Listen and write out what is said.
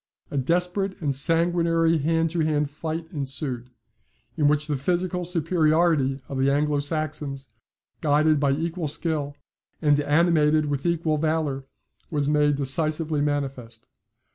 A desperate and sanguinary hand to hand fight ensued, in which the physical superiority of the Anglo Saxons, guided by equal skill, and animated with equal valour, was made decisively manifest.